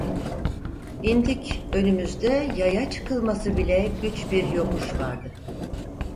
İndik, önümüzde yaya çıkılması bile güç bir yokuş vardı.